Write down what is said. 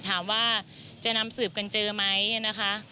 ถามว่าจะนำสืบกันเจอไหมนะคะ